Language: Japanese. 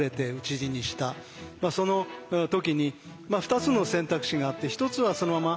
その時に２つの選択肢があって一つはそのまま